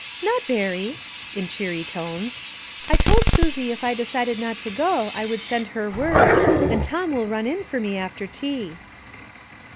" Not very," in cheery tones. " I told Susie if I decided not to go I would send her word, and Tom will run in for me after tea."